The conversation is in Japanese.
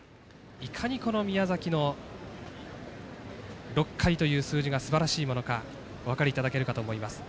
「いかにこの宮崎の６回という数字がすばらしいものかお分かりいただけるかと思います。